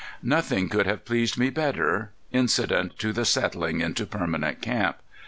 Nothing could have pleased me better, incident to the settling into permanent camp.